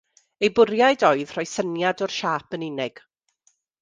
Eu bwriad oedd rhoi syniad o'r siâp yn unig.